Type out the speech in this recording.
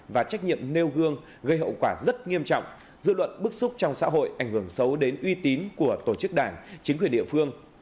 và trách nhiệm nêu gương gây hậu quả rất nghiêm trọng dư luận bức xúc trong xã hội ảnh hưởng xấu đến uy tín của tổ chức đảng chính quyền địa phương